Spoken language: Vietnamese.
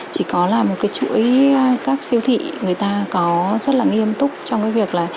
chỉ có là một cái chuỗi các siêu thị người ta có rất là nghiêm túc trong cái việc là